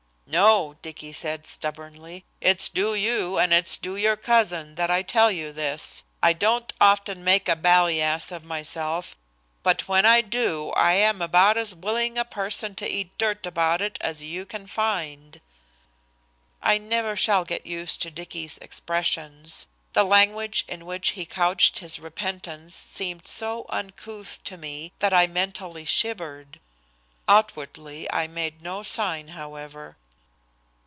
"No," Dicky said stubbornly, "it's due you and it's due your cousin that I tell you this. I don't often make a bally ass of myself, but when I do I am about as willing a person to eat dirt about it as you can find." I never shall get used to Dicky's expressions. The language in which he couched his repentance seemed so uncouth to me that I mentally shivered. Outwardly I made no sign, however.